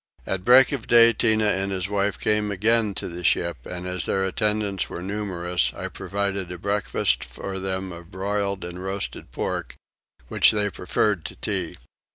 At break of day Tinah and his wife came again to the ship and, as their attendants were numerous, I provided a breakfast for them of broiled and roasted pork, which they preferred to tea.